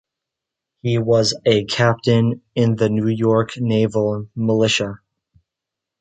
He was a Captain in the New York Naval Militia.